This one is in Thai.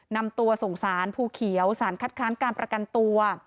นำตัวส่งสารภูเขียวสารคัดค้านการประกันตัว